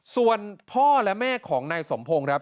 ส่วนพ่อและแม่ของนายสมพงศ์ครับ